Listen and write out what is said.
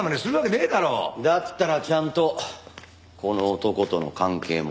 だったらちゃんとこの男との関係も。